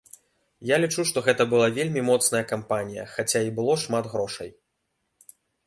Я лічу, што гэта была вельмі моцная кампанія, хаця і было шмат грошай.